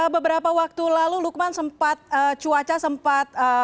beberapa waktu lalu lukman sempat cuaca sempat